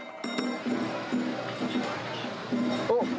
おっ！